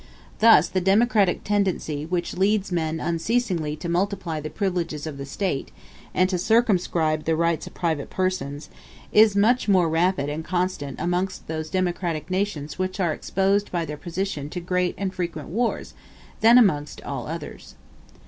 Thus the democratic tendency which leads men unceasingly to multiply the privileges of the State, and to circumscribe the rights of private persons, is much more rapid and constant amongst those democratic nations which are exposed by their position to great and frequent wars, than amongst all others.